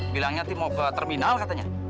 bilangnya tim mau ke terminal katanya